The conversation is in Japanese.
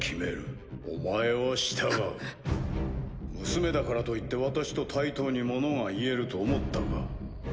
娘だからといって私と対等に物が言えると思ったか。